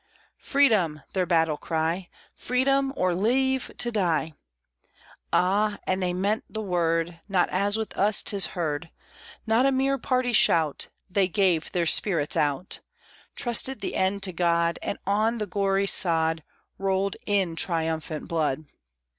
"Freedom!" their battle cry, "Freedom! or leave to die!" Ah! and they meant the word, Not as with us 'tis heard, Not a mere party shout: They gave their spirits out; Trusted the end to God, And on the gory sod Rolled in triumphant blood.